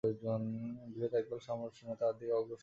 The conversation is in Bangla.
বৃহৎ একদল সম্রাট-সৈন্য তাঁহার দিকে অগ্রসর হইল।